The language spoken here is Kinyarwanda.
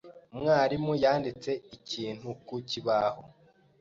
Umwarimu yanditse ikintu ku kibaho.